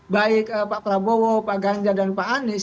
baik pak prabowo pak ganjar dan pak anies